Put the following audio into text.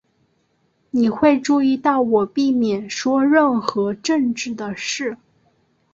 你会注意到我避免说任何政治的事。